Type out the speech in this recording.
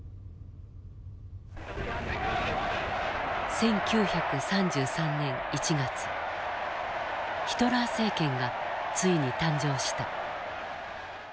１９３３年１月ヒトラー政権がついに誕生した。